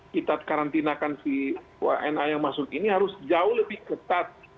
kita karantinakan si wna yang masuk ini harus jauh lebih ketat